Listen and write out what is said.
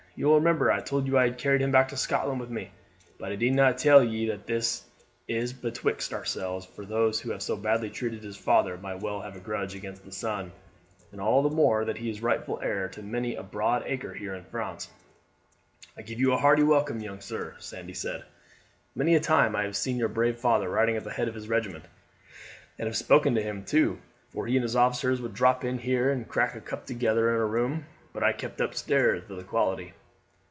You will remember I told you I had carried him back to Scotland with me; but I need not tell ye that this is betwixt ourselves, for those who have so badly treated his father might well have a grudge against the son, and all the more that he is the rightful heir to many a broad acre here in France." "I give you a hearty welcome, young sir," Sandy said. "Many a time I have seen your brave father riding at the head of his regiment, and have spoken to him too, for he and his officers would drop in here and crack a cup together in a room I keep upstairs for the quality.